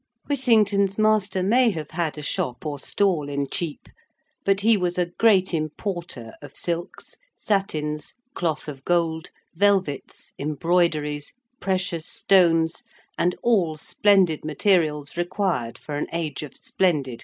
Whittington's master may have had a shop or stall in Chepe but he was a great importer of silks, satins, cloth of gold, velvets, embroideries, precious stones, and all splendid materials required for an age of splendid costume.